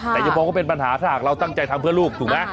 แต่อย่ามองว่าเป็นปัญหาถ้าหากเราตั้งใจทำเพื่อลูกถูกไหม